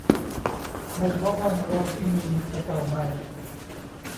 ไม่เฉพาะบ้านเราที่มี จะเก่าใหม่